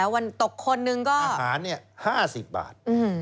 วันหนึ่งเนี่ยใช่อาหารนี้๕๐บาท